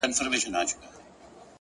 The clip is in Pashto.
لوړ شخصیت له کوچنیو کارونو څرګندیږي,